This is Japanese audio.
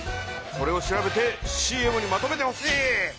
それを調べてＣＭにまとめてほしい。